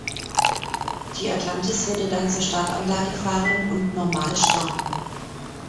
Die Atlantis würde dann zur Startanlage fahren und normal starten.